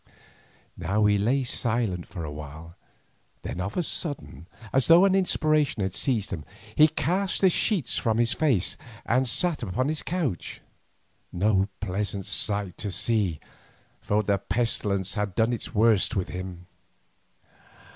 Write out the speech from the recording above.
Now he lay silent for a while, then of a sudden, as though an inspiration had seized him, he cast the sheet from his face and sat upon his couch, no pleasant sight to see, for the pestilence had done its worst with him.